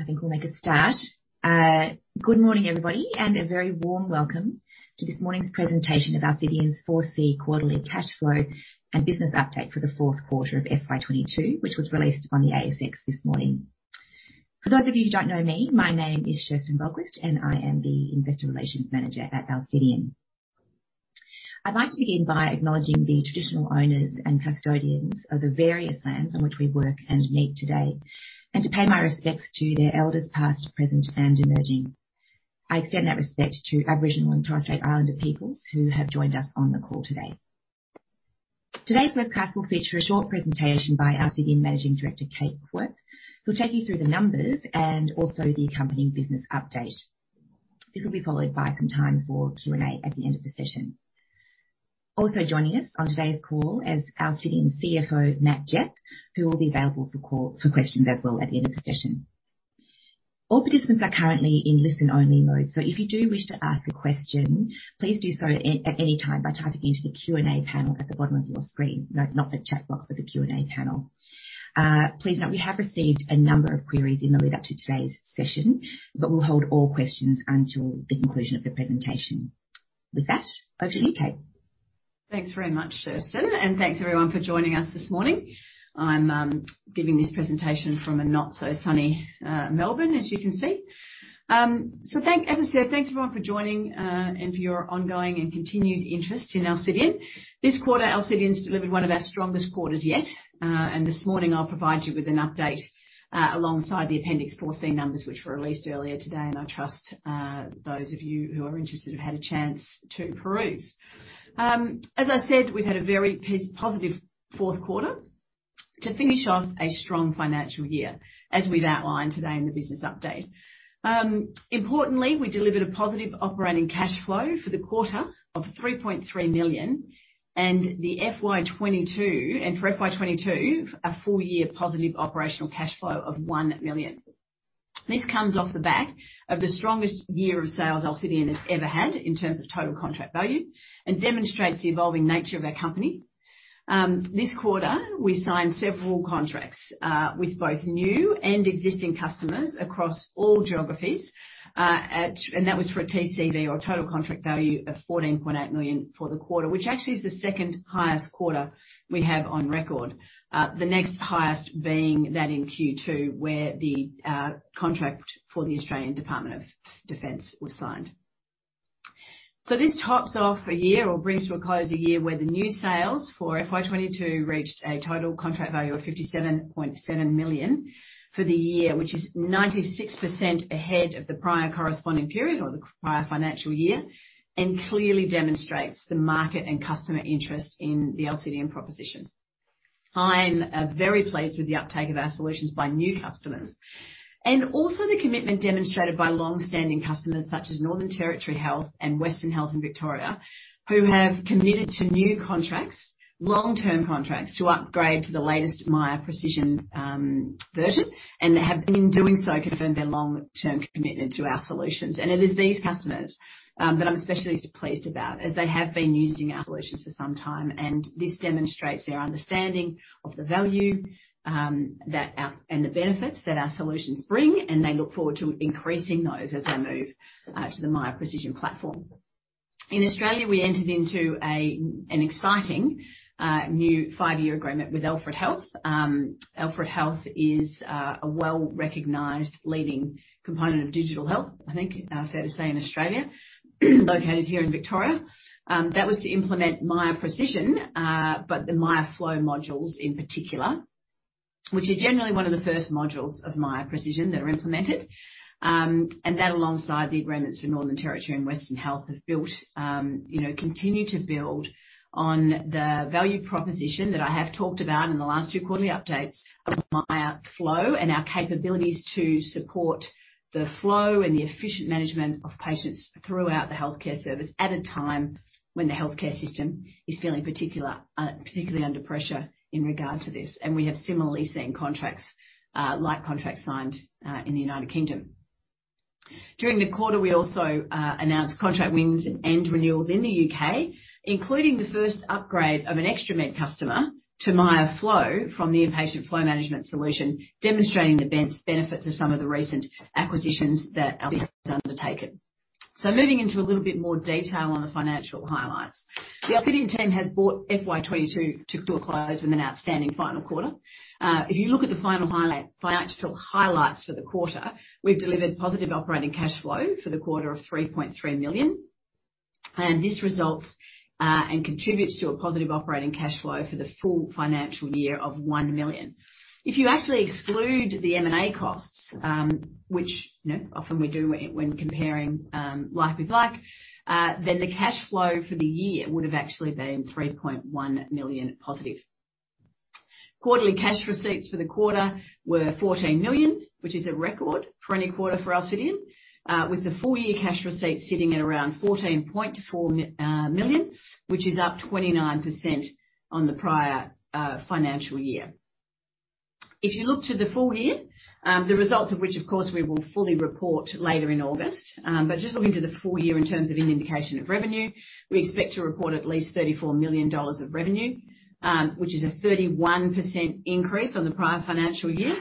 I think we'll make a start. Good morning, everybody, and a very warm welcome to this morning's presentation of Alcidion's 4C quarterly cash flow and business update for the fourth quarter of FY 2022, which was released on the ASX this morning. For those of you who don't know me, my name is Kerstin Wahlqvist, and I am the investor relations manager at Alcidion. I'd like to begin by acknowledging the traditional owners and custodians of the various lands on which we work and meet today, and to pay my respects to their elders, past, present, and emerging. I extend that respect to Aboriginal and Torres Strait Islander peoples who have joined us on the call today. Today's webcast will feature a short presentation by Alcidion Managing Director Kate Quirke, who'll take you through the numbers and also the accompanying business update. This will be followed by some time for Q&A at the end of the session. Also joining us on today's call is Alcidion's CFO, Matt Gepp, who will be available for questions as well at the end of the session. All participants are currently in listen-only mode, so if you do wish to ask a question, please do so at any time by typing into the Q&A panel at the bottom of your screen. No, not the chat box, but the Q&A panel. Please note we have received a number of queries in the lead up to today's session, but we'll hold all questions until the conclusion of the presentation. With that, over to you, Kate Quirke. Thanks very much, Kerstin, and thanks everyone for joining us this morning. I'm giving this presentation from a not-so-sunny Melbourne, as you can see. As I said, thanks everyone for joining, and for your ongoing and continued interest in Alcidion. This quarter, Alcidion's delivered one of our strongest quarters yet. This morning I'll provide you with an update, alongside the Appendix 4C numbers, which were released earlier today, and I trust those of you who are interested have had a chance to peruse. As I said, we've had a very positive fourth quarter to finish off a strong financial year, as we've outlined today in the business update. Importantly, we delivered a positive operating cash flow for the quarter of 3.3 million and the FY 2022... For FY 2022, a full-year positive operational cash flow of 1 million. This comes off the back of the strongest year of sales Alcidion has ever had in terms of total contract value and demonstrates the evolving nature of our company. This quarter, we signed several contracts with both new and existing customers across all geographies that was for a TCV or Total Contract Value of 14.8 million for the quarter, which actually is the second highest quarter we have on record. The next highest being that in Q2, where the contract for the Australian Department of Defence was signed. This tops off a year or brings to a close a year where the new sales for FY 2022 reached a total contract value of 57.7 million for the year, which is 96% ahead of the prior corresponding period or the prior financial year, and clearly demonstrates the market and customer interest in the Alcidion proposition. I'm very pleased with the uptake of our solutions by new customers and also the commitment demonstrated by long-standing customers such as Northern Territory Health and Western Health in Victoria, who have committed to new contracts, long-term contracts, to upgrade to the latest Miya Precision version and have in doing so confirmed their long-term commitment to our solutions. It is these customers that I'm especially pleased about as they have been using our solutions for some time, and this demonstrates their understanding of the value that our solutions bring, and the benefits that our solutions bring, and they look forward to increasing those as they move to the Miya Precision platform. In Australia, we entered into an exciting new five-year agreement with Alfred Health. Alfred Health is a well-recognized leading component of digital health, I think, fair to say in Australia, located here in Victoria. That was to implement Miya Precision, but the Miya Flow modules in particular, which are generally one of the first modules of Miya Precision that are implemented. That alongside the agreements for Northern Territory and Western Health have built, you know, continue to build on the value proposition that I have talked about in the last two quarterly updates of Miya Flow and our capabilities to support the flow and the efficient management of patients throughout the healthcare service at a time when the healthcare system is feeling particular, particularly under pressure in regards to this. We have similarly seen contracts signed in the United Kingdom. During the quarter, we also announced contract wins and renewals in the U.K., including the first upgrade of an ExtraMed customer to Miya Flow from the inpatient flow management solution, demonstrating the benefits of some of the recent acquisitions that Alcidion has undertaken. Moving into a little bit more detail on the financial highlights. The Alcidion team has brought FY 2022 to a close with an outstanding final quarter. If you look at the financial highlights for the quarter, we've delivered positive operating cash flow for the quarter of 3.3 million. This results and contributes to a positive operating cash flow for the full financial year of 1 million. If you actually exclude the M&A costs, which, you know, often we do when comparing like with like, then the cash flow for the year would have actually been 3.1 million positive. Quarterly cash receipts for the quarter were 14 million, which is a record for any quarter for Alcidion. With the full-year cash receipt sitting at around 14.4 million, which is up 29% on the prior financial year. If you look to the full year, the results of which of course we will fully report later in August. Just looking to the full year in terms of an indication of revenue, we expect to report at least 34 million dollars of revenue, which is a 31% increase on the prior financial year.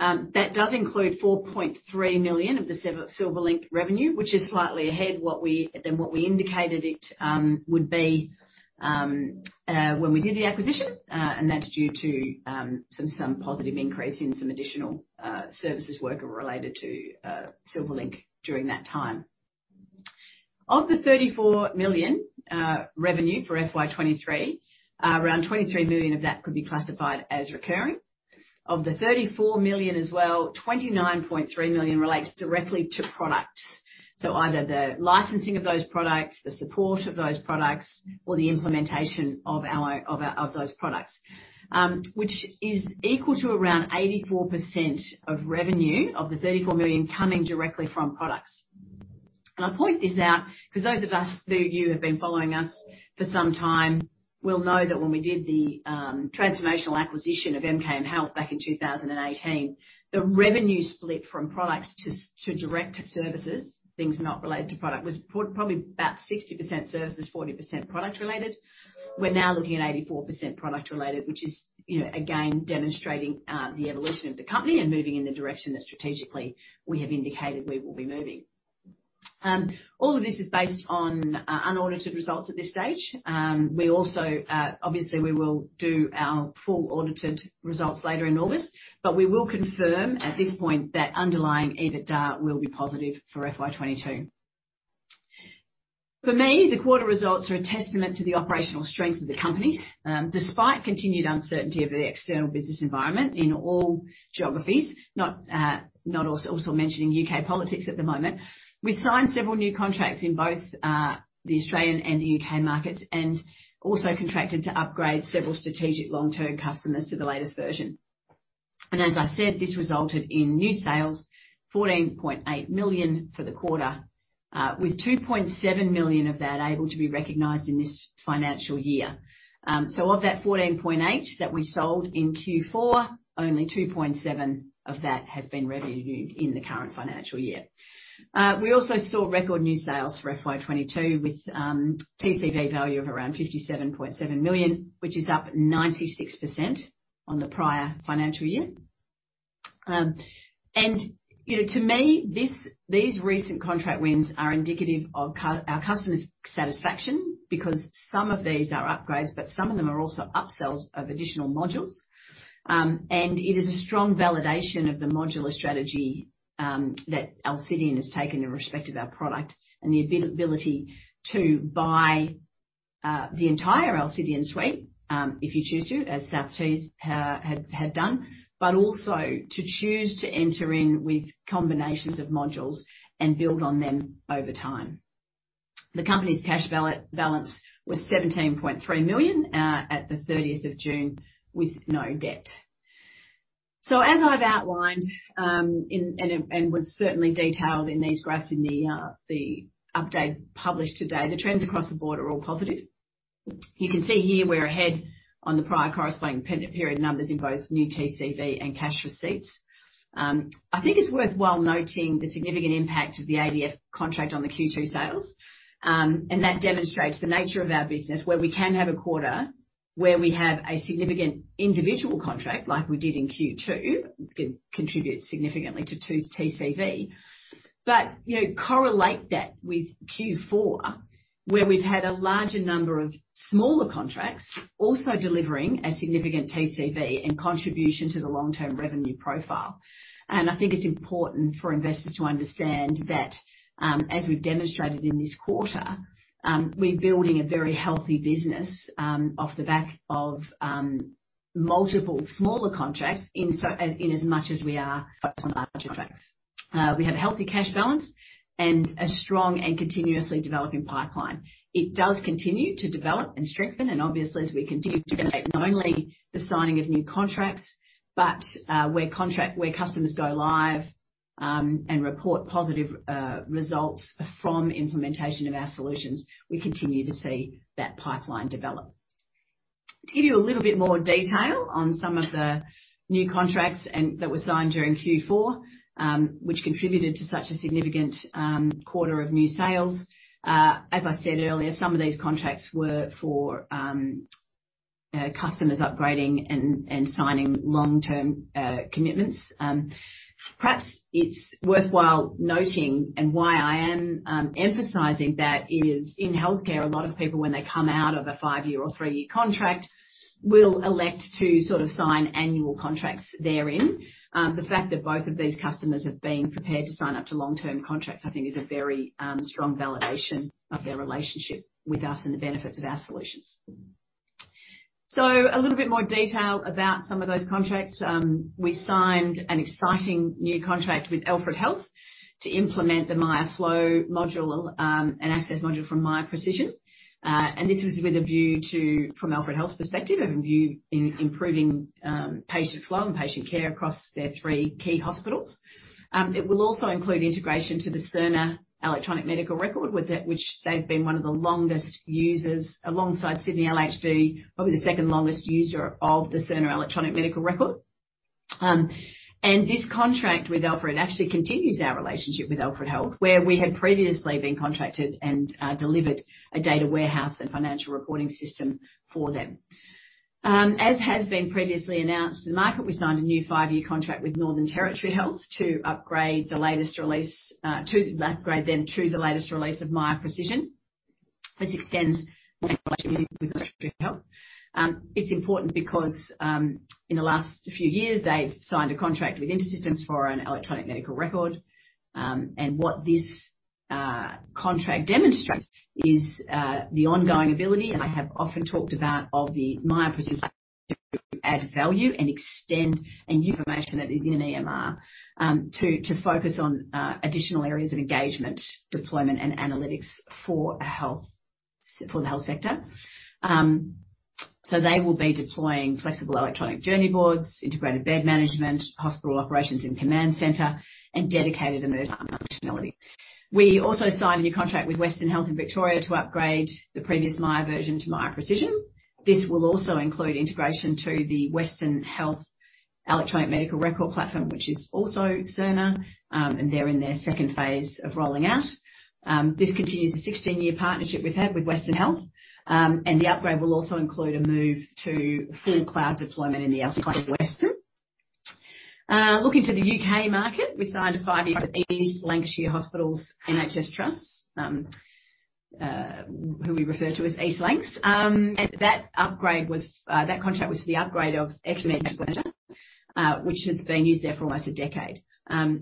That does include 4.3 million of the Silverlink revenue, which is slightly ahead than what we indicated it would be, when we did the acquisition. That's due to some positive increase in some additional services work related to Silverlink during that time. Of the 34 million, revenue for FY 2023, around 23 million of that could be classified as recurring. Of the 34 million as well, 29.3 million relates directly to product. So either the licensing of those products, the support of those products, or the implementation of those products, which is equal to around 84% of revenue of the 34 million coming directly from products. I point this out because those of us who you have been following us for some time will know that when we did the transformational acquisition of MKN Health back in 2018, the revenue split from products to direct to services, things not related to product, was probably about 60% services, 40% product related. We're now looking at 84% product related, which is, you know, again, demonstrating, the evolution of the company and moving in the direction that strategically we have indicated we will be moving. All of this is based on unaudited results at this stage. We also, obviously we will do our full audited results later in August, but we will confirm at this point that underlying EBITDA will be positive for FY 2022. For me, the quarter results are a testament to the operational strength of the company. Despite continued uncertainty of the external business environment in all geographies, also mentioning U.K. politics at the moment. We signed several new contracts in both the Australian and the U.K. markets, and also contracted to upgrade several strategic long-term customers to the latest version. As I said, this resulted in new sales, 14.8 million for the quarter, with 2.7 million of that able to be recognized in this financial year. Of that 14.8 that we sold in Q4, only 2.7 of that has been revenued in the current financial year. We also saw record new sales for FY 2022 with TCV value of around 57.7 million, which is up 96% on the prior financial year. You know, to me, these recent contract wins are indicative of our customers' satisfaction because some of these are upgrades, but some of them are also upsells of additional modules. It is a strong validation of the modular strategy that Alcidion has taken in respect of our product and the ability to buy the entire Alcidion suite, if you choose to, as South Tees had done, but also to choose to enter in with combinations of modules and build on them over time. The company's cash balance was 17.3 million at the thirtieth of June with no debt. As I've outlined and was certainly detailed in these graphs in the update published today, the trends across the board are all positive. You can see here we're ahead on the prior corresponding period numbers in both new TCV and cash receipts. I think it's worthwhile noting the significant impact of the ADF contract on the Q2 sales. That demonstrates the nature of our business, where we can have a quarter, where we have a significant individual contract like we did in Q2, can contribute significantly to TCV. You know, correlate that with Q4, where we've had a larger number of smaller contracts also delivering a significant TCV and contribution to the long-term revenue profile. I think it's important for investors to understand that, as we've demonstrated in this quarter, we're building a very healthy business, off the back of, multiple smaller contracts in as much as we are focused on larger contracts. We have a healthy cash balance and a strong and continuously developing pipeline. It does continue to develop and strengthen and obviously as we continue to demonstrate not only the signing of new contracts, but where customers go live and report positive results from implementation of our solutions, we continue to see that pipeline develop. To give you a little bit more detail on some of the new contracts that were signed during Q4, which contributed to such a significant quarter of new sales. As I said earlier, some of these contracts were for customers upgrading and signing long-term commitments. Perhaps it's worthwhile noting and why I am emphasizing that is in healthcare, a lot of people when they come out of a five-year or three-year contract, will elect to sort of sign annual contracts therein. The fact that both of these customers have been prepared to sign up to long-term contracts, I think is a very strong validation of their relationship with us and the benefits of our solutions. A little bit more detail about some of those contracts. We signed an exciting new contract with Alfred Health to implement the Miya Flow module, an access module from Miya Precision. This is with a view to, from Alfred Health's perspective, improving patient flow and patient care across their three key hospitals. It will also include integration to the Cerner electronic medical record, which they've been one of the longest users alongside Sydney LHD, probably the second longest user of the Cerner electronic medical record. This contract with Alfred actually continues our relationship with Alfred Health, where we had previously been contracted and delivered a data warehouse and financial reporting system for them. As has been previously announced to the market, we signed a new five-year contract with Northern Territory Health to upgrade them to the latest release of Miya Precision. This extends with Territory Health. It's important because, in the last few years, they've signed a contract with InterSystems for an electronic medical record. What this contract demonstrates is the ongoing ability, and I have often talked about, of the Miya Precision to add value and extend information that is in an EMR, to focus on additional areas of engagement, deployment, and analytics for health, for the health sector. They will be deploying flexible electronic journey boards, integrated bed management, hospital operations and command center, and dedicated emergency functionality. We also signed a new contract with Western Health in Victoria to upgrade the previous Miya version to Miya Precision. This will also include integration to the Western Health electronic medical record platform, which is also Cerner. They're in their second phase of rolling out. This continues the 16-year partnership we've had with Western Health. The upgrade will also include a move to full cloud deployment in the Australia Southeast. Looking to the U.K. market, we signed a five-year with East Lancashire Hospitals NHS Trust, who we refer to as East Lancs. That contract was for the upgrade of ExtraMed Bed Manager, which has been used there for almost a decade.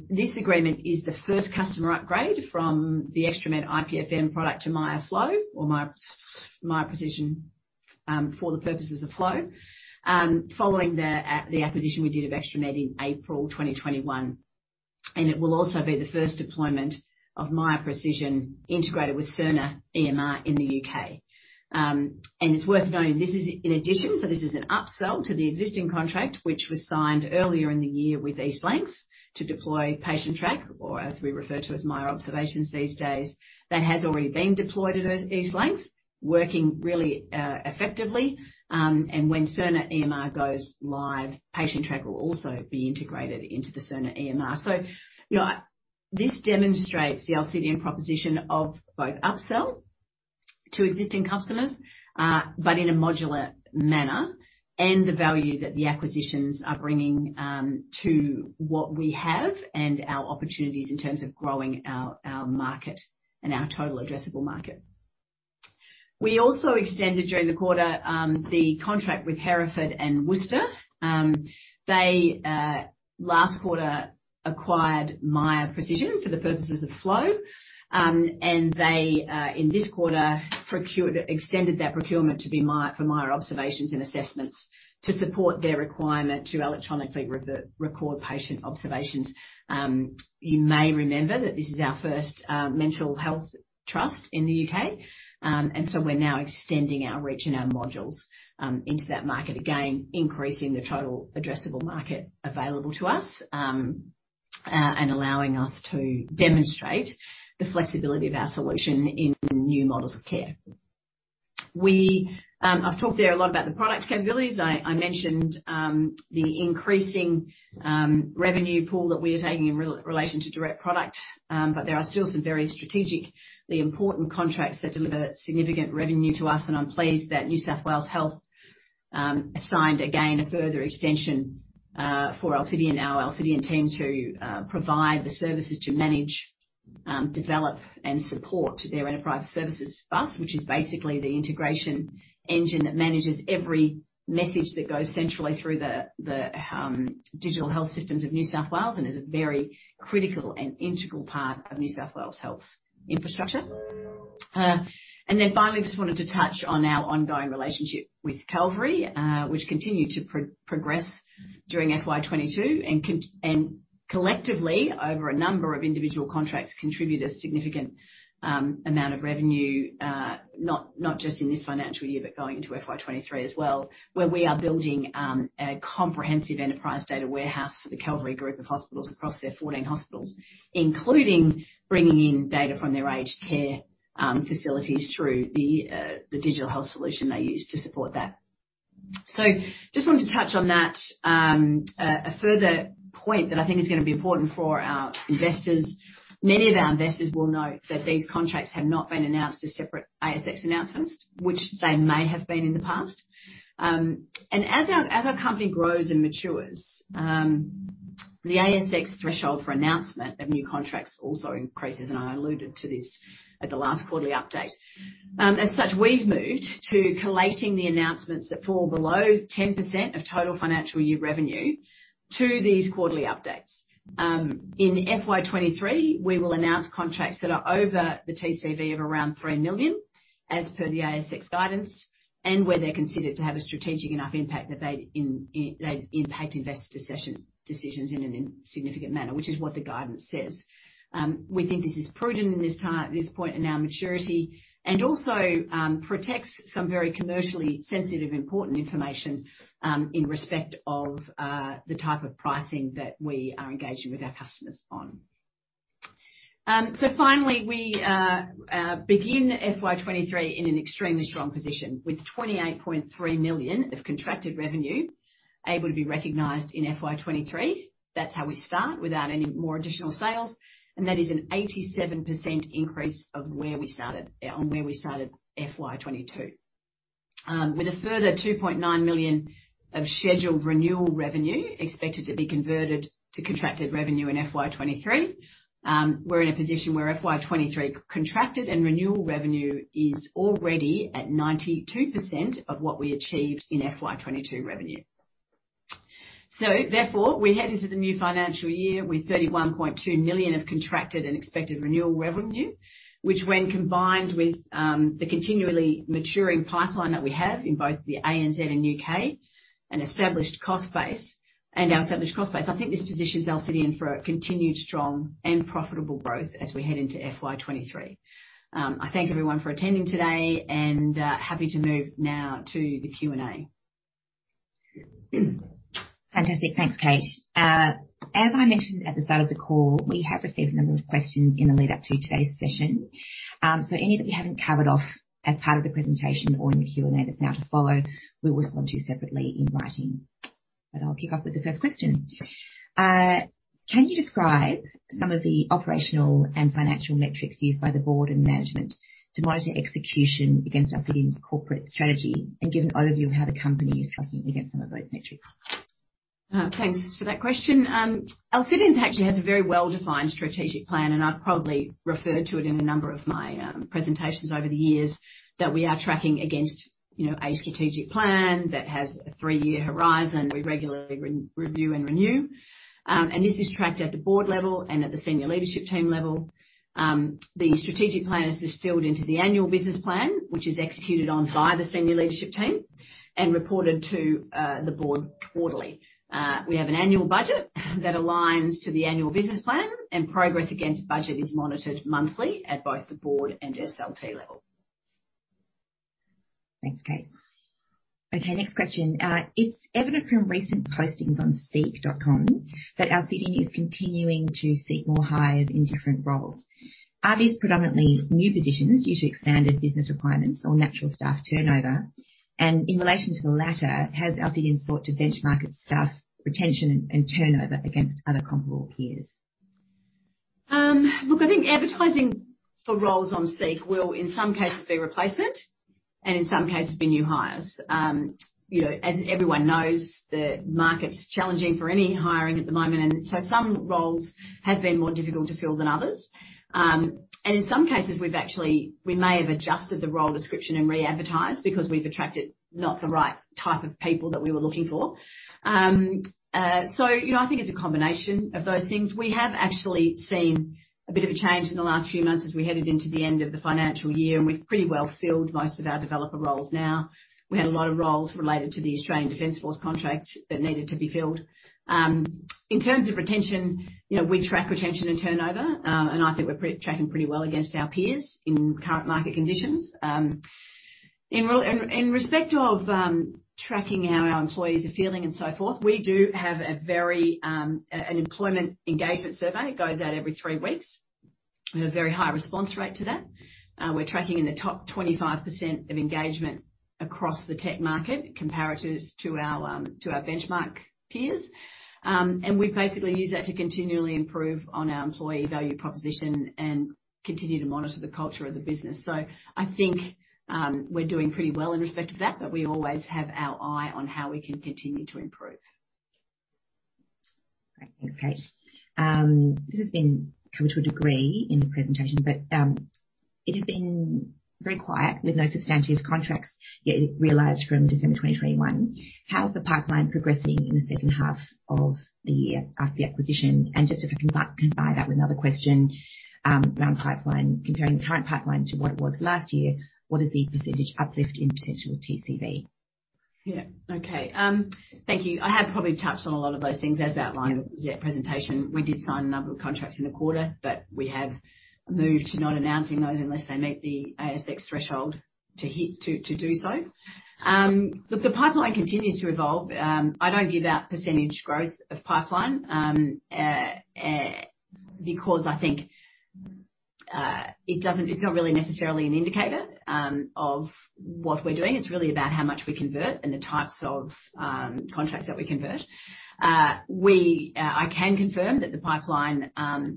This agreement is the first customer upgrade from the ExtraMed IPFM product to Miya Flow or Miya Precision, for the purposes of Flow, following the acquisition we did of ExtraMed in April 2021. It will also be the first deployment of Miya Precision integrated with Cerner EMR in the U.K. It's worth noting this is in addition, so this is an upsell to the existing contract which was signed earlier in the year with East Lancs to deploy Patientrack, or as we refer to as Miya Observations these days. That has already been deployed at East Lancs, working really effectively. When Cerner EMR goes live, Patientrack will also be integrated into the Cerner EMR. You know, this demonstrates the Alcidion proposition of both upsell to existing customers, but in a modular manner, and the value that the acquisitions are bringing to what we have and our opportunities in terms of growing our market and our total addressable market. We also extended during the quarter the contract with Herefordshire and Worcestershire. They last quarter acquired Miya Precision for the purposes of Flow. In this quarter extended that procurement to Miya Observations and Assessments to support their requirement to electronically record patient observations. You may remember that this is our first mental health trust in the U.K. We're now extending our reach and our modules into that market, again, increasing the total addressable market available to us and allowing us to demonstrate the flexibility of our solution in new models of care. I've talked there a lot about the product capabilities. I mentioned the increasing revenue pool that we are taking in relation to direct product. There are still some very strategically important contracts that deliver significant revenue to us, and I'm pleased that New South Wales Health signed again a further extension for Alcidion, our Alcidion team to provide the services to manage, develop, and support their enterprise services bus, which is basically the integration engine that manages every message that goes centrally through the digital health systems of New South Wales and is a very critical and integral part of New South Wales Health's infrastructure. Finally, just wanted to touch on our ongoing relationship with Calvary, which continued to progress during FY 2022 and collectively over a number of individual contracts, contribute a significant amount of revenue, not just in this financial year, but going into FY 2023 as well, where we are building a comprehensive enterprise data warehouse for the Calvary group of hospitals across their 14 hospitals, including bringing in data from their aged care facilities through the digital health solution they use to support that. A further point that I think is gonna be important for our investors. Many of our investors will know that these contracts have not been announced as separate ASX announcements, which they may have been in the past. As our company grows and matures, the ASX threshold for announcement of new contracts also increases, and I alluded to this at the last quarterly update. As such, we've moved to collating the announcements that fall below 10% of total financial year revenue to these quarterly updates. In FY 2023, we will announce contracts that are over the TCV of around 3 million, as per the ASX guidance, and where they're considered to have a strategic enough impact that they'd impact investor decisions in a significant manner, which is what the guidance says. We think this is prudent in this point in our maturity and also protects some very commercially sensitive, important information in respect of the type of pricing that we are engaging with our customers on. Finally, we begin FY 2023 in an extremely strong position with 28.3 million of contracted revenue able to be recognized in FY 2023. That's how we start without any more additional sales, and that is an 87% increase on where we started FY 2022. With a further 2.9 million of scheduled renewal revenue expected to be converted to contracted revenue in FY 2023, we're in a position where FY 2023 contracted and renewal revenue is already at 92% of what we achieved in FY 2022 revenue. Therefore, we head into the new financial year with 31.2 million of contracted and expected renewal revenue, which when combined with the continually maturing pipeline that we have in both the ANZ and U.K. And our established cost base, I think this positions Alcidion for a continued strong and profitable growth as we head into FY 2023. I thank everyone for attending today and happy to move now to the Q&A. Fantastic. Thanks, Kate. As I mentioned at the start of the call, we have received a number of questions in the lead-up to today's session. So any that we haven't covered off as part of the presentation or in the Q&A that's now to follow, we'll respond to you separately in writing. I'll kick off with the first question. Can you describe some of the operational and financial metrics used by the board and management to monitor execution against Alcidion's corporate strategy and give an overview of how the company is tracking against some of those metrics? Thanks for that question. Alcidion actually has a very well-defined strategic plan, and I've probably referred to it in a number of my presentations over the years, that we are tracking against, you know, a strategic plan that has a three-year horizon we regularly re-review and renew. This is tracked at the board level and at the senior leadership team level. The strategic plan is distilled into the annual business plan, which is executed on by the senior leadership team and reported to the board quarterly. We have an annual budget that aligns to the annual business plan, and progress against budget is monitored monthly at both the board and SLT level. Thanks, Kate. Okay, next question. It's evident from recent postings on SEEK.com that Alcidion is continuing to seek more hires in different roles. Are these predominantly new positions due to expanded business requirements or natural staff turnover? And in relation to the latter, has Alcidion sought to benchmark its staff retention and turnover against other comparable peers? Look, I think advertising for roles on SEEK will in some cases be replacement and in some cases be new hires. You know, as everyone knows, the market's challenging for any hiring at the moment, and some roles have been more difficult to fill than others. In some cases, we may have adjusted the role description and re-advertised because we've attracted not the right type of people that we were looking for. You know, I think it's a combination of those things. We have actually seen a bit of a change in the last few months as we headed into the end of the financial year, and we've pretty well filled most of our developer roles now. We had a lot of roles related to the Australian Defence Force contract that needed to be filled. In terms of retention, you know, we track retention and turnover, and I think we're tracking pretty well against our peers in current market conditions. In respect of tracking how our employees are feeling and so forth, we do have an employee engagement survey. It goes out every three weeks. We have a very high response rate to that. We're tracking in the top 25% of engagement across the tech market comparatives to our benchmark peers. We basically use that to continually improve on our employee value proposition and continue to monitor the culture of the business. I think we're doing pretty well in respect to that, but we always have our eye on how we can continue to improve. Great. Thanks, Kate. This has been covered to a degree in the presentation, but it has been very quiet with no substantive contracts yet realized from December 2021. How is the pipeline progressing in the second half of the year after the acquisition? Just if I can combine that with another question around pipeline. Comparing the current pipeline to what it was last year, what is the percentage uplift in potential TCV? Yeah. Okay. Thank you. I have probably touched on a lot of those things as outlined. Yeah. In the presentation. We did sign a number of contracts in the quarter, but we have moved to not announcing those unless they meet the ASX threshold to do so. Look, the pipeline continues to evolve. I don't give out percentage growth of pipeline because I think it's not really necessarily an indicator of what we're doing. It's really about how much we convert and the types of contracts that we convert. I can confirm that the pipeline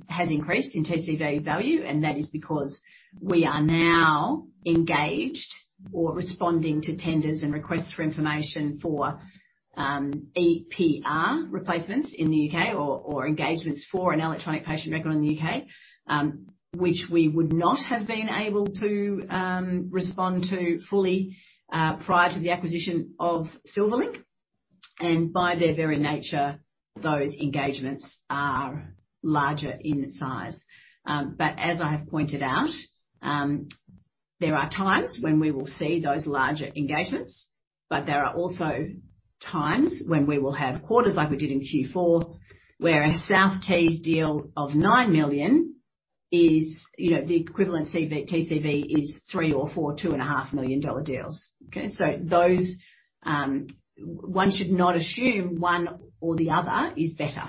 has increased in TCV value, and that is because we are now engaged or responding to tenders and requests for information for EPR replacements in the U.K. or engagements for an electronic patient record in the U.K., which we would not have been able to respond to fully prior to the acquisition of Silverlink. By their very nature, those engagements are larger in size. As I have pointed out, there are times when we will see those larger engagements, but there are also times when we will have quarters, like we did in Q4, where a South Tees deal of 9 million is, you know, the equivalent TCV is three or four, 2.5 million-dollar deals. Okay. Those. One should not assume one or the other is better.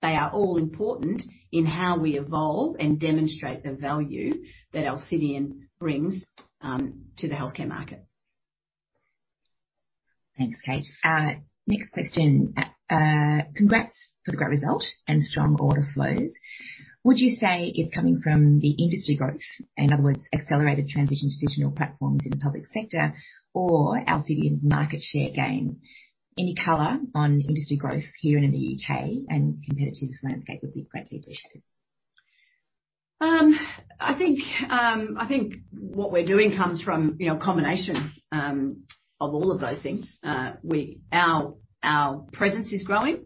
They are all important in how we evolve and demonstrate the value that Alcidion brings to the healthcare market. Thanks, Kate. Next question. Congrats for the great result and strong order flows. Would you say it's coming from the industry growth, in other words, accelerated transition to digital platforms in the public sector or Alcidion's market share gain? Any color on industry growth here and in the U.K. and competitive landscape would be greatly appreciated. I think what we're doing comes from, you know, a combination of all of those things. Our presence is growing.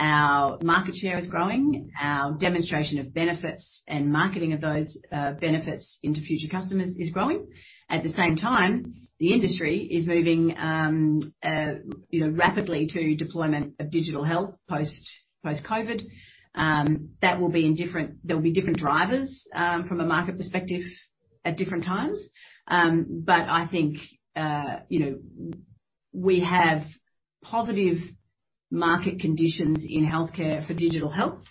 Our market share is growing. Our demonstration of benefits and marketing of those benefits into future customers is growing. At the same time, the industry is moving, you know, rapidly to deployment of digital health post-COVID. There will be different drivers from a market perspective at different times. I think, you know, we have positive market conditions in healthcare for digital health.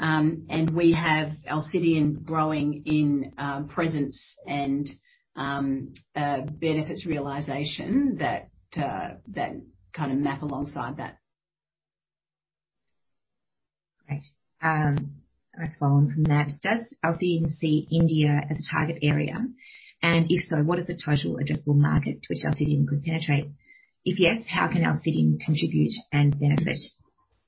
We have Alcidion growing in presence and benefits realization that kind of map alongside that. Great. Next one from Matt. Does Alcidion see India as a target area? If so, what is the total addressable market which Alcidion could penetrate? If yes, how can Alcidion contribute and benefit?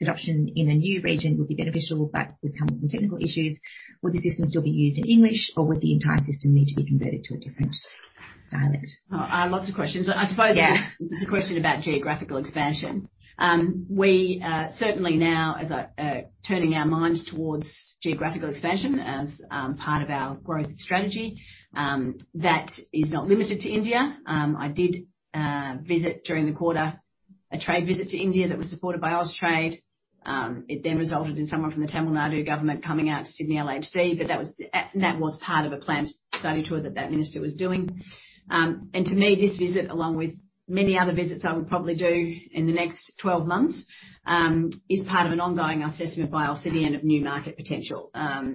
Adoption in a new region would be beneficial, but would come with some technical issues. Would the system still be used in English, or would the entire system need to be converted to a different dialect? Oh, lots of questions. I suppose. Yeah. It's a question about geographical expansion. We certainly now, as we're turning our minds towards geographical expansion as part of our growth strategy, that is not limited to India. I did visit during the quarter, a trade visit to India that was supported by Austrade. It then resulted in someone from the Tamil Nadu government coming out to Sydney LHD, but that was part of a planned study tour that minister was doing. To me, this visit, along with many other visits I will probably do in the next 12 months, is part of an ongoing assessment by Alcidion of new market potential.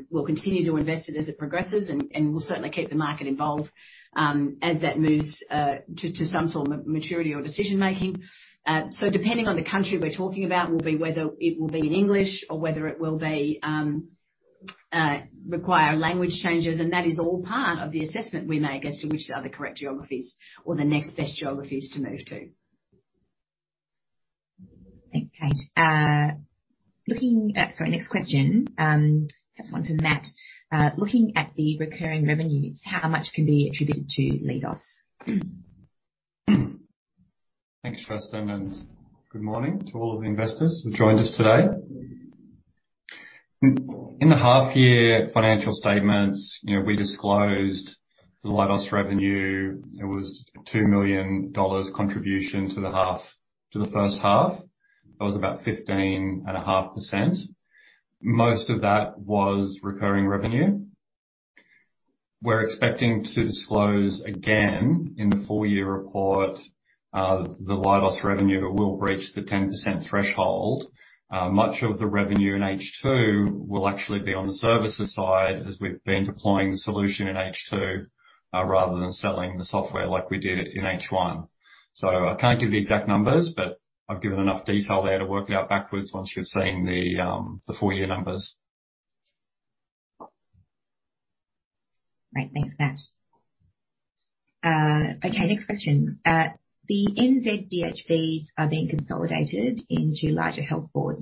We'll continue to invest in it as it progresses, and we'll certainly keep the market involved as that moves to some sort of maturity or decision making. Depending on the country we're talking about will be whether it will be in English or whether it will require language changes, and that is all part of the assessment we make as to which are the correct geographies or the next best geographies to move to. Thanks, Kate. Sorry, next question. Perhaps one for Matt. Looking at the recurring revenues, how much can be attributed to Leidos? Thanks, Kerstin, and good morning to all of the investors who joined us today. In the half-year financial statements, you know, we disclosed the Leidos revenue. It was 2 million dollars contribution to the first half. That was about 15.5%. Most of that was recurring revenue. We're expecting to disclose again in the full-year report, the Leidos revenue will reach the 10% threshold. Much of the revenue in H2 will actually be on the services side as we've been deploying the solution in H2, rather than selling the software like we did in H1. So I can't give you exact numbers, but I've given enough detail there to work out backwards once you've seen the full-year numbers. Great. Thanks, Matt. Okay, next question. The NZ DHBs are being consolidated into larger health boards.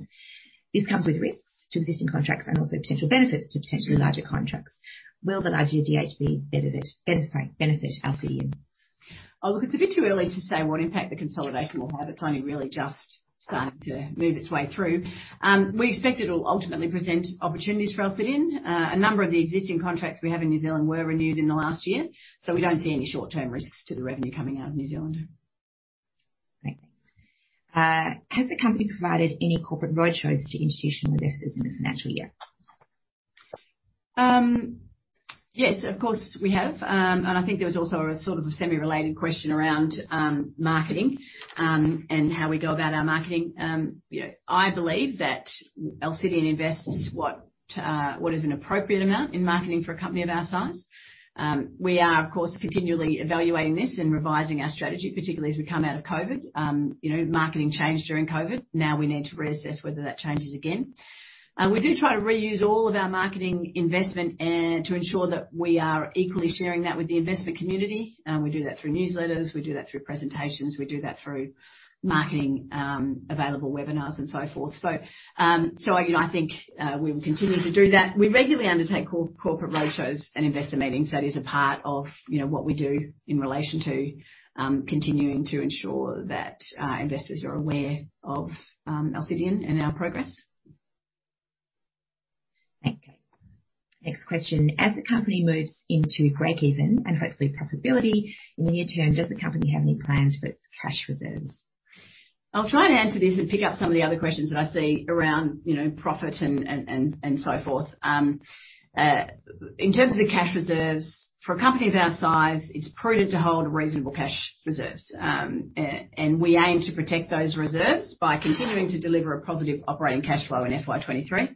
This comes with risks to existing contracts and also potential benefits to potentially larger contracts. Will the larger DHB benefit Alcidion? Oh, look, it's a bit too early to say what impact the consolidation will have. It's only really just starting to move its way through. We expect it'll ultimately present opportunities for Alcidion. A number of the existing contracts we have in New Zealand were renewed in the last year, so we don't see any short-term risks to the revenue coming out of New Zealand. Great. Thanks. Has the company provided any corporate roadshows to institutional investors in this financial year? Yes, of course, we have. I think there was also a sort of a semi-related question around marketing, and how we go about our marketing. You know, I believe that Alcidion invests what is an appropriate amount in marketing for a company of our size. We are, of course, continually evaluating this and revising our strategy, particularly as we come out of COVID. You know, marketing changed during COVID. Now we need to reassess whether that changes again. We do try to recoup all of our marketing investment and to ensure that we are equally sharing that with the investment community. We do that through newsletters, we do that through presentations, we do that through marketing, available webinars and so forth. You know, I think we will continue to do that. We regularly undertake corporate roadshows and investor meetings. That is a part of, you know, what we do in relation to continuing to ensure that investors are aware of Alcidion and our progress. Thank you. Next question. As the company moves into breakeven and hopefully profitability in the near term, does the company have any plans for its cash reserves? I'll try and answer this and pick up some of the other questions that I see around, you know, profit and so forth. In terms of the cash reserves, for a company of our size, it's prudent to hold reasonable cash reserves. We aim to protect those reserves by continuing to deliver a positive operating cash flow in FY 2023.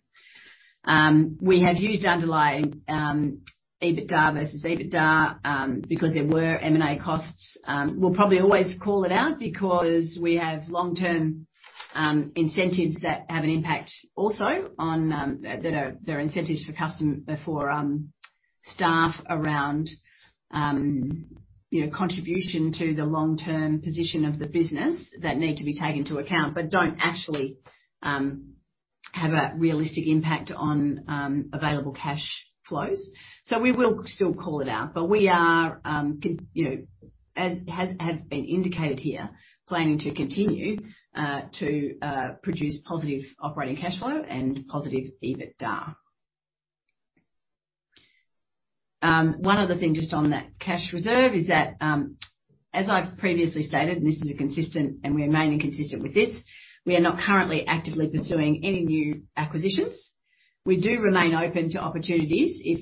We have used underlying EBITDA versus EBITDA because there were M&A costs. We'll probably always call it out because we have long-term incentives that have an impact also on. They're incentives for staff around, you know, contribution to the long-term position of the business that need to be taken into account, but don't actually have a realistic impact on available cash flows. We will still call it out, but we are, you know, as has been indicated here, planning to continue to produce positive operating cash flow and positive EBITDA. One other thing just on that cash reserve is that, as I've previously stated, and this is a consistent and remaining consistent with this, we are not currently actively pursuing any new acquisitions. We do remain open to opportunities if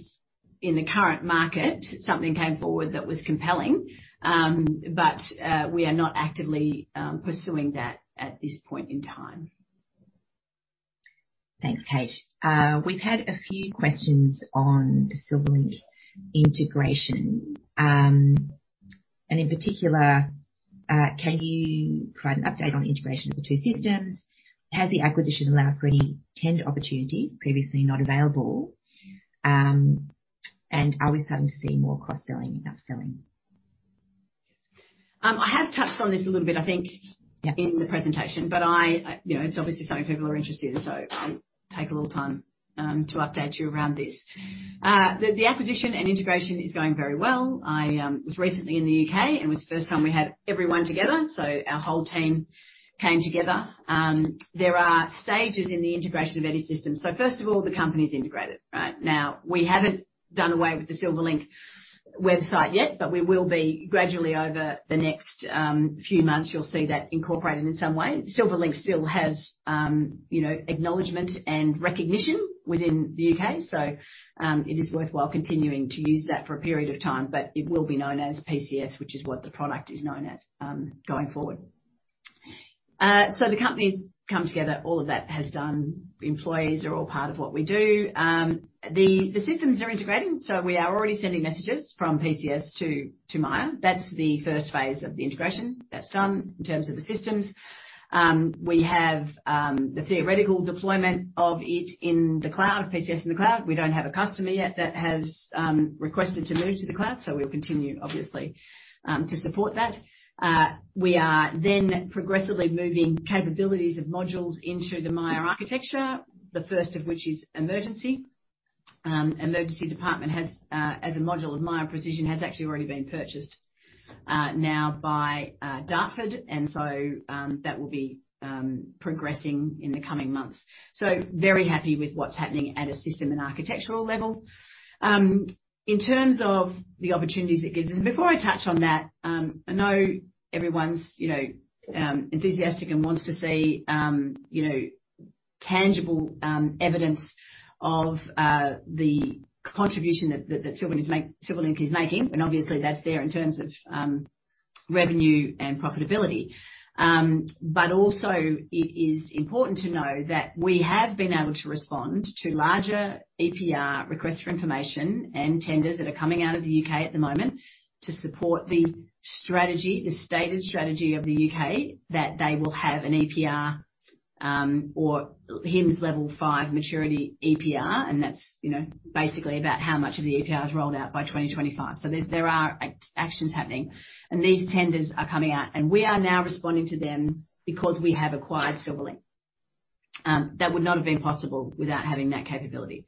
in the current market something came forward that was compelling. We are not actively pursuing that at this point in time. Thanks, Kate. We've had a few questions on the Silverlink integration. In particular, can you provide an update on the integration of the two systems? Has the acquisition allowed for any tender opportunities previously not available? Are we starting to see more cross-selling and upselling? I have touched on this a little bit, I think. Yeah. In the presentation, but I, you know, it's obviously something people are interested in, so I'll take a little time to update you around this. The acquisition and integration is going very well. I was recently in the U.K., and it was the first time we had everyone together, so our whole team came together. There are stages in the integration of any system. First of all, the company's integrated. Right? Now, we haven't done away with the Silverlink website yet, but we will be gradually over the next few months, you'll see that incorporated in some way. Silverlink still has, you know, acknowledgement and recognition within the U.K., so, it is worthwhile continuing to use that for a period of time, but it will be known as PCS, which is what the product is known as, going forward. The companies come together. All of that has done. Employees are all part of what we do. The systems are integrating, so we are already sending messages from PCS to Miya. That's the first phase of the integration. That's done in terms of the systems. We have the theoretical deployment of it in the cloud, PCS in the cloud. We don't have a customer yet that has requested to move to the cloud, so we'll continue, obviously, to support that. We are progressively moving capabilities of modules into the Miya architecture, the first of which is Emergency. Emergency department has, as a module of Miya Precision, actually already been purchased now by Dartford. That will be progressing in the coming months. Very happy with what's happening at a system and architectural level. In terms of the opportunities it gives us. Before I touch on that, I know everyone's, you know, enthusiastic and wants to see, you know, tangible evidence of the contribution that Silverlink is making, and obviously that's there in terms of revenue and profitability. Also it is important to know that we have been able to respond to larger EPR requests for information and tenders that are coming out of the U.K. at the moment to support the strategy, the stated strategy of the U.K., that they will have an EPR or HIMSS Level 5 maturity EPR, and that's, you know, basically about how much of the EPR is rolled out by 2025. There are actions happening, and these tenders are coming out. We are now responding to them because we have acquired Silverlink. That would not have been possible without having that capability.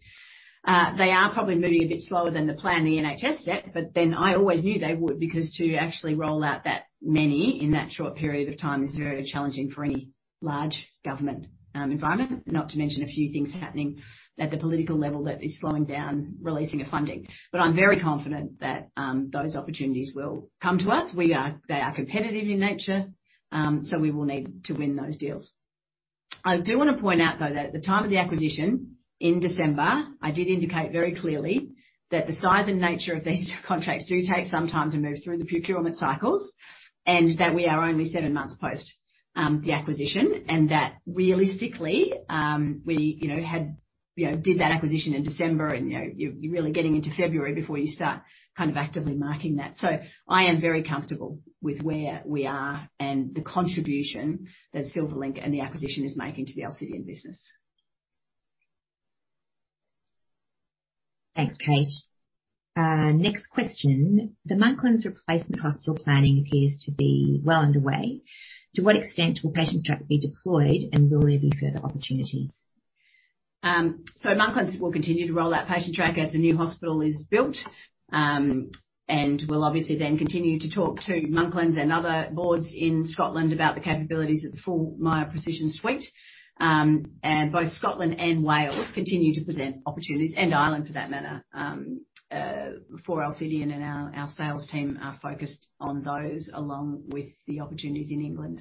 They are probably moving a bit slower than the plan, the NHS set, but then I always knew they would because to actually roll out that many in that short period of time is very challenging for any large government environment. Not to mention a few things happening at the political level that is slowing down releasing of funding. I'm very confident that those opportunities will come to us. They are competitive in nature, so we will need to win those deals. I do wanna point out though that at the time of the acquisition in December, I did indicate very clearly that the size and nature of these contracts do take some time to move through the procurement cycles, and that we are only seven months post the acquisition. That realistically, we, you know, had, you know, did that acquisition in December and, you know, you're really getting into February before you start kind of actively marketing that. I am very comfortable with where we are and the contribution that Silverlink and the acquisition is making to the Alcidion business. Thanks, Kate. Next question. The Monklands replacement hospital planning appears to be well underway. To what extent will Patientrack be deployed, and will there be further opportunities? Monklands will continue to roll out Patientrack as the new hospital is built. We'll obviously then continue to talk to Monklands and other boards in Scotland about the capabilities of the full Miya Precision suite. Both Scotland and Wales continue to present opportunities, and Ireland for that matter, for Alcidion, and our sales team are focused on those along with the opportunities in England.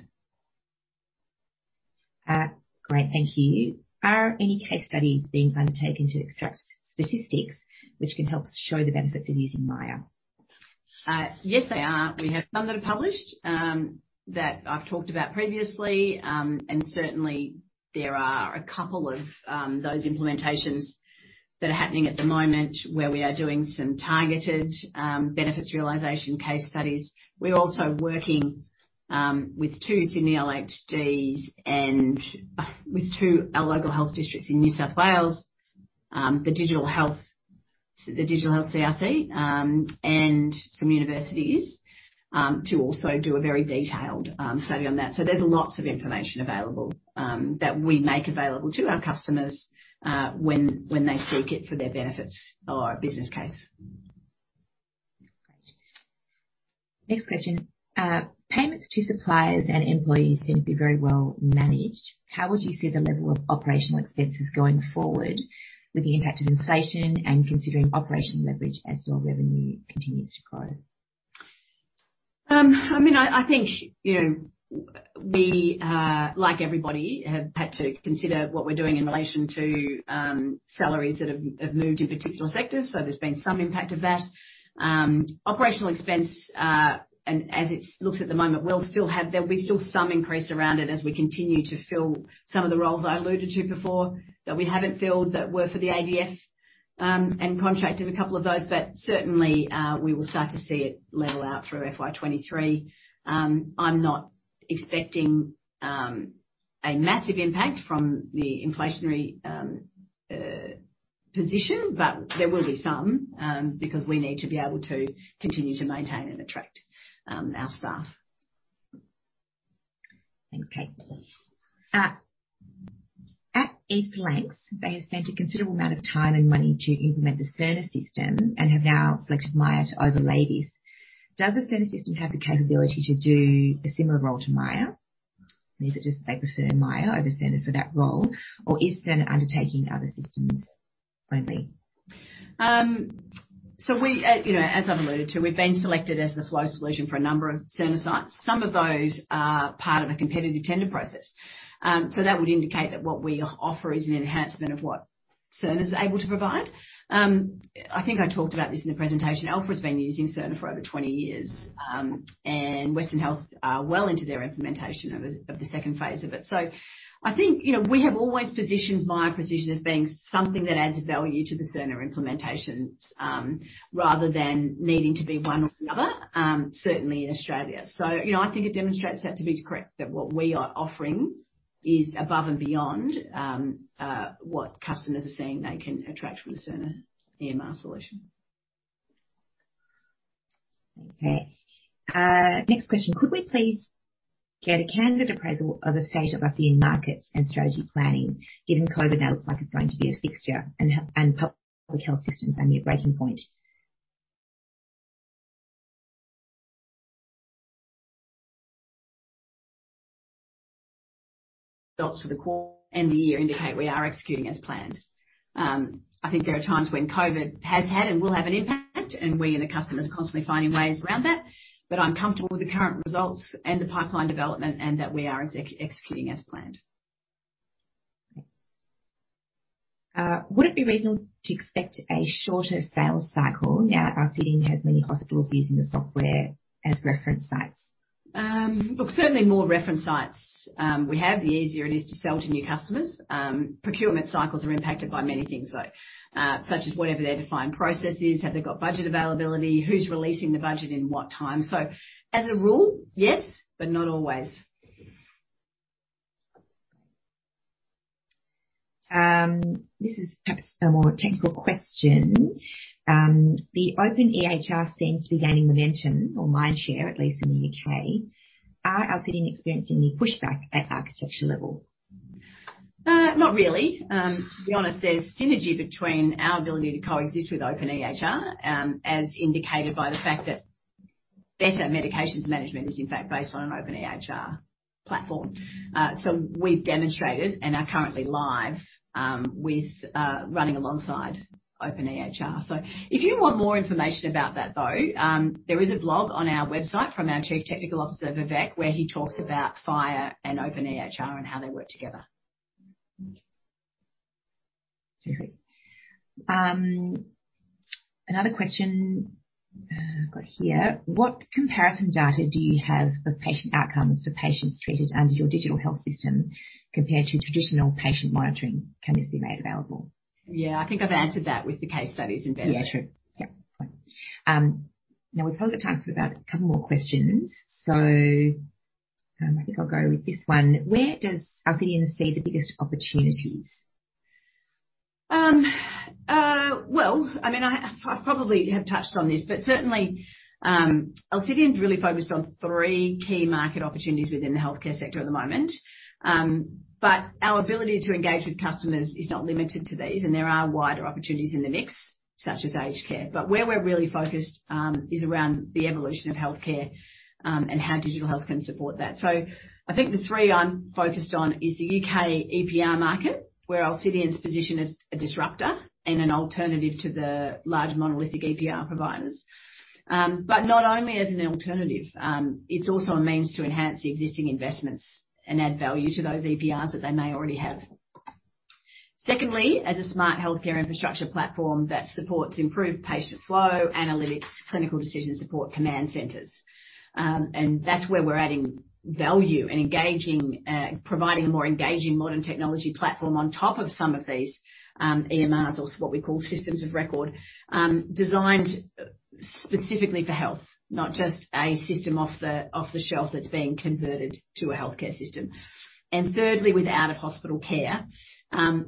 Great. Thank you. Are any case studies being undertaken to extract statistics which can help show the benefits of using Miya? Yes, they are. We have some that are published that I've talked about previously. Certainly there are a couple of those implementations that are happening at the moment where we are doing some targeted benefits realization case studies. We're also working with two Sydney LHDs and with two local health districts in New South Wales, the Digital Health CRC, and some universities to also do a very detailed study on that. There's lots of information available that we make available to our customers when they seek it for their benefits or a business case. Great. Next question. Payments to suppliers and employees seem to be very well managed. How would you see the level of operational expenses going forward with the impact of inflation and considering operational leverage as your revenue continues to grow? I mean, I think, you know, we, like everybody, have had to consider what we're doing in relation to salaries that have moved in particular sectors, so there's been some impact of that. Operational expense, and as it looks at the moment, there'll be still some increase around it as we continue to fill some of the roles, I alluded to before that we haven't filled that were for the ADF and contracted a couple of those. Certainly, we will start to see it level out through FY 2023. I'm not expecting a massive impact from the inflationary position, but there will be some, because we need to be able to continue to maintain and attract our staff. Thank you. At East Lancs, they have spent a considerable amount of time and money to implement the Cerner system and have now selected Miya to overlay this. Does the Cerner system have the capability to do a similar role to Miya? Is it just they prefer Miya over Cerner for that role? Is Cerner undertaking other systems only? We, you know, as I've alluded to, we've been selected as the flow solution for a number of Cerner sites. Some of those are part of a competitive tender process. That would indicate that what we offer is an enhancement of what Cerner is able to provide. I think I talked about this in the presentation. Alfred Health's been using Cerner for over 20 years. Western Health are well into their implementation of the second phase of it. I think, you know, we have always positioned Miya Precision as being something that adds value to the Cerner implementations, rather than needing to be one or the other, certainly in Australia. You know, I think it demonstrates that to be correct, that what we are offering is above and beyond what customers are seeing they can attract from the Cerner EMR solution. Okay. Next question. Could we please get a candid appraisal of the state of our markets and strategy planning, given COVID now looks like it's going to be a fixture and public health systems are near breaking point? Results for the quarter and the year indicate we are executing as planned. I think there are times when COVID has had and will have an impact, and we and the customer is constantly finding ways around that. I'm comfortable with the current results and the pipeline development and that we are executing as planned. Okay. Would it be reasonable to expect a shorter sales cycle now that Alcidion has many hospitals using the software as reference sites? Look, certainly more reference sites we have, the easier it is to sell to new customers. Procurement cycles are impacted by many things, though, such as whatever their defined process is. Have they got budget availability? Who's releasing the budget in what time? As a rule, yes, but not always. This is perhaps a more technical question. The openEHR seems to be gaining momentum or mindshare, at least in the U.K. Are Alcidion experiencing any pushback at architecture level? Not really. To be honest, there's synergy between our ability to coexist with openEHR, as indicated by the fact that Better Meds is in fact based on an openEHR platform. We've demonstrated and are currently live with running alongside openEHR. If you want more information about that though, there is a blog on our website from our Chief Technical Officer, Vivek, where he talks about FHIR and openEHR and how they work together. Another question I've got here. What comparison data do you have for patient outcomes for patients treated under your digital health system compared to traditional patient monitoring? Can this be made available? Yeah, I think I've answered that with the case studies in Better. Yeah, true. Yeah. Now we've probably got time for about a couple more questions. I think I'll go with this one. Where does Alcidion see the biggest opportunities? Well, I mean, I probably have touched on this, but certainly, Alcidion's really focused on three key market opportunities within the healthcare sector at the moment. Our ability to engage with customers is not limited to these, and there are wider opportunities in the mix, such as aged care. Where we're really focused is around the evolution of healthcare and how digital health can support that. I think the three I'm focused on is the U.K. EPR market, where Alcidion's position is a disruptor and an alternative to the large monolithic EPR providers. Not only as an alternative, it's also a means to enhance the existing investments and add value to those EPRs that they may already have. Secondly, as a smart healthcare infrastructure platform that supports improved patient flow, analytics, clinical decision support command centers. That's where we're adding value and engaging, providing a more engaging modern technology platform on top of some of these EMRs, or what we call systems of record, designed specifically for health, not just a system off the shelf that's been converted to a healthcare system. Thirdly, with out-of-hospital care,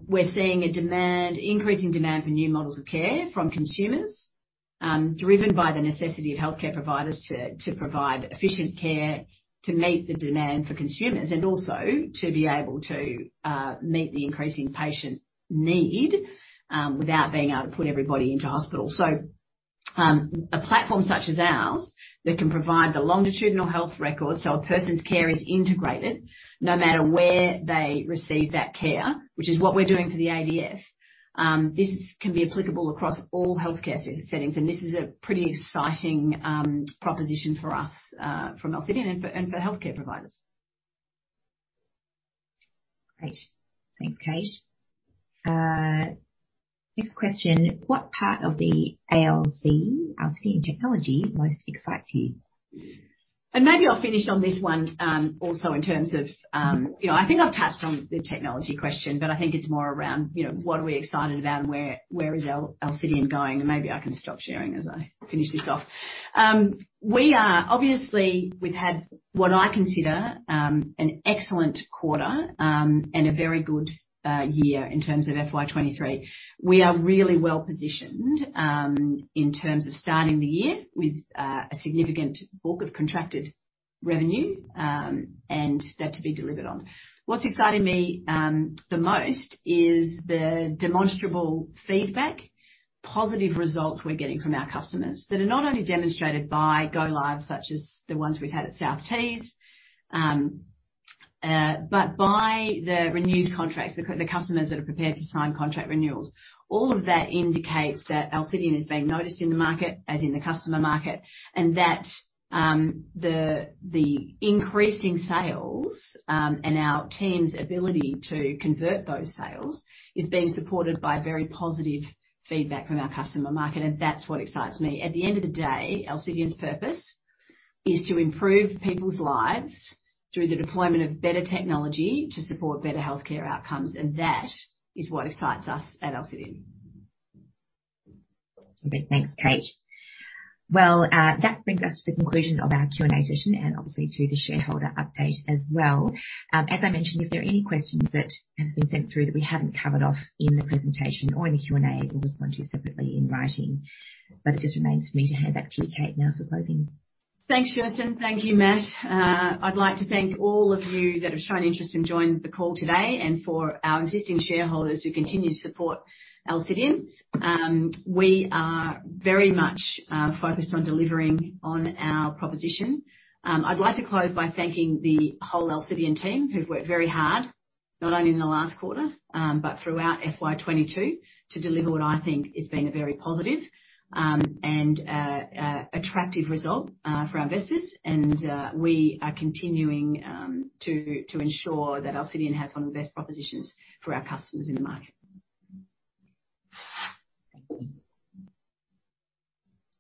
we're seeing increasing demand for new models of care from consumers, driven by the necessity of healthcare providers to provide efficient care to meet the demand for consumers and also to be able to meet the increasing patient need, without being able to put everybody into hospital. A platform such as ours that can provide the longitudinal health record, so a person's care is integrated no matter where they receive that care, which is what we're doing for the ADF, this can be applicable across all healthcare settings, and this is a pretty exciting proposition for us from Alcidion and for healthcare providers. Great. Thanks, Kate. Next question. What part of the Alcidion technology most excites you? Maybe I'll finish on this one, also in terms of, you know, I think I've touched on the technology question, but I think it's more around, you know, what are we excited about and where is Alcidion going? Maybe I can stop sharing as I finish this off. Obviously, we've had what I consider an excellent quarter, and a very good year in terms of FY 2023. We are really well-positioned in terms of starting the year with a significant bulk of contracted revenue, and that to be delivered on. What's exciting me the most is the demonstrable feedback, positive results we're getting from our customers that are not only demonstrated by go-lives such as the ones, we've had at South Tees, but by the renewed contracts, the customers that are prepared to sign contract renewals. All of that indicates that Alcidion is being noticed in the market, as in the customer market, and that the increasing sales and our team's ability to convert those sales is being supported by very positive feedback from our customer market, and that's what excites me. At the end of the day, Alcidion's purpose is to improve people's lives through the deployment of better technology to support better healthcare outcomes, and that is what excites us at Alcidion. Okay. Thanks, Kate. Well, that brings us to the conclusion of our Q&A session and obviously to the shareholder update as well. As I mentioned, if there are any questions that has been sent through that we haven't covered off in the presentation or in the Q&A, we'll respond to you separately in writing. It just remains for me to hand back to you, Kate, now for closing. Thanks, Kerstin. Thank you, Matt. I'd like to thank all of you that have shown interest in joining the call today and for our existing shareholders who continue to support Alcidion. We are very much focused on delivering on our proposition. I'd like to close by thanking the whole Alcidion team, who've worked very hard, not only in the last quarter, but throughout FY 2022 to deliver what I think has been a very positive and attractive result for our investors and we are continuing to ensure that Alcidion has one of the best propositions for our customers in the market.